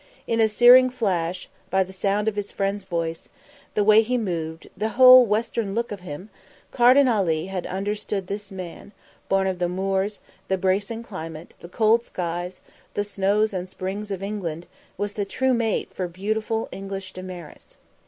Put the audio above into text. In a searing flash, by the sound of his friend's voice, the way he moved, the whole Western look of him, Carden Ali had understood that this man, born of the moors, the bracing climate, the cold skies, the snows and springs of England, was the true mate for beautiful English Damaris.